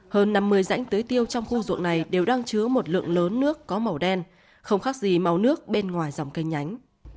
hơn năm mươi dãnh tưới tiêu trong khu ruộng này đều đang chứa một lượng lớn nước có màu đen không khác gì màu nước bên ngoài dòng cây nhánh